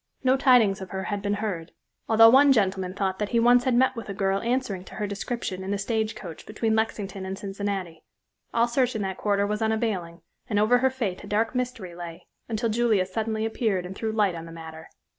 No tidings of her had been heard, although one gentleman thought that he once had met with a girl answering to her description in the stage coach between Lexington and Cincinnati. All search in that quarter was unavailing, and over her fate a dark mystery lay, until Julia suddenly appeared and threw light on the matter.